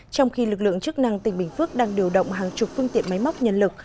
trong khi lực lượng chức năng tỉnh bình phước đang điều động hàng chục phương tiện máy móc nhân lực